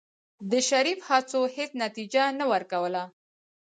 د شريف هڅو هېڅ نتيجه نه ورکوله.